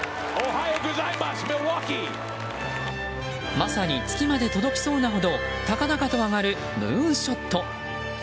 まさに月まで届きそうなほど高々と上がるムーンショット。